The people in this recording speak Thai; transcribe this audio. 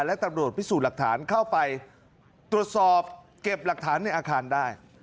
และตำรวจพิสูจน์หลักฐานเข้าไปตรวจสอบเก็บหลักฐานในอาคารได้